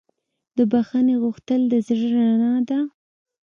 د بښنې غوښتل د زړه رڼا ده.